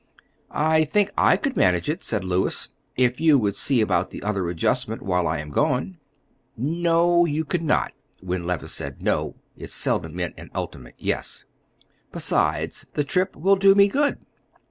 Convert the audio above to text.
"I think I could manage it," said Louis, "if you would see about the other adjustment while I am gone." "No, you could not," when Levice said "no," it seldom meant an ultimate "yes." "Besides, the trip will do me good."